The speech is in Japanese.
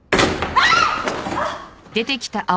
あっ。